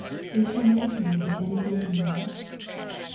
Is she more to you than anything in life?"